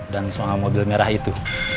dan soal mobil merah itu